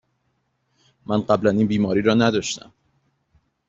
من قبلاً این بیماری را نداشتم.